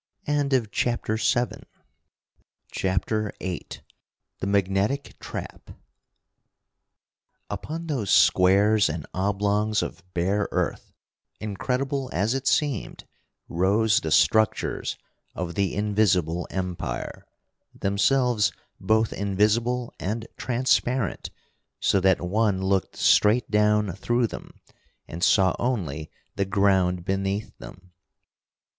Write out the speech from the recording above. CHAPTER VIII The Magnetic Trap Upon those squares and oblongs of bare earth, incredible as it seemed, rose the structures of the Invisible Empire, themselves both invisible and transparent, so that one looked straight down through them and saw only the ground beneath them.